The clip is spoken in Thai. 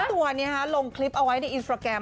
ตัวนี้ลงคลิปเอาไว้ในอินสตราแกรม